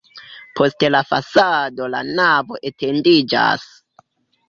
Post la fasado la navo etendiĝas.